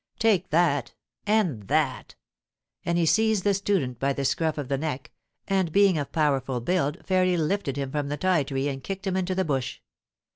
* Take that, and that '— and he seized the student by the scruff of the neck, and being of powerful build, fairly lifted him from the ti tree and kicked him into the bush.